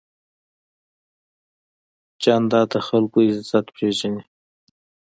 جانداد د خلکو عزت پېژني.